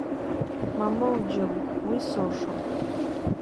Мамоу, џьым, уи сылшом!